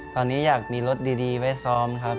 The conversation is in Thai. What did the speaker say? ตอนนี้อยากมีรถดีไว้ซ้อมครับ